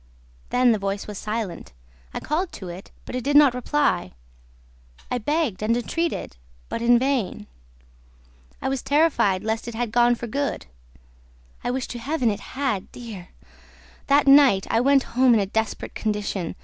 Then the voice was silent. I called to it, but it did not reply; I begged and entreated, but in vain. I was terrified lest it had gone for good. I wish to Heaven it had, dear! ... That night, I went home in a desperate condition.